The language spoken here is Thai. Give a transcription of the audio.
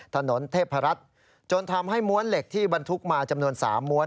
ถนนเทพรัฐจนทำให้ม้วนเหล็กที่บรรทุกมาจำนวน๓ม้วน